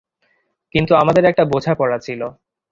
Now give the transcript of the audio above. কিন্তু আমাদের একটা বোঝাপড়া ছিল।